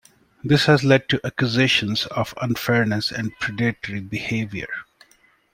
This has led to accusations of unfairness and predatory behaviour.